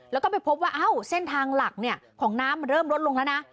แล้วก็ไปพบว่าเส้นทางหลักของน้ำมันเริ่มลดลงแล้วนะ